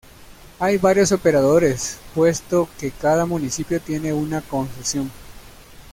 Hay varios operadores puesto que cada municipio tiene una concesión.